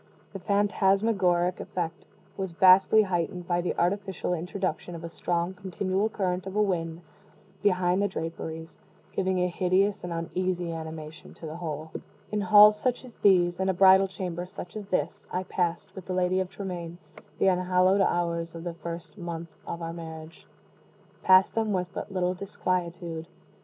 The phantasmagoric effect was vastly heightened by the artificial introduction of a strong continual current of wind behind the draperies giving a hideous and uneasy animation to the whole. In halls such as these in a bridal chamber such as this I passed, with the Lady of Tremaine, the unhallowed hours of the first month of our marriage passed them with but little disquietude.